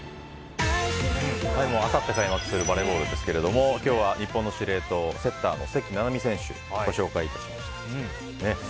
明後日開幕するバレーボールですが今日は日本の司令塔関菜々巳選手をご紹介しました。